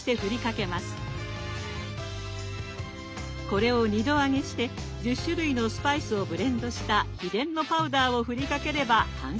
これを２度揚げして１０種類のスパイスをブレンドした秘伝のパウダーを振りかければ完成です。